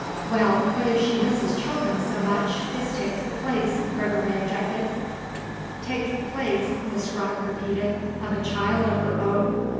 "Well, but if she misses children so much; this takes the place," Gregory objected. "Takes the place," Miss Scrotton repeated, "of a child of her own?